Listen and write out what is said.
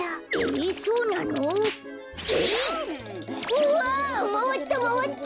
うわまわったまわった！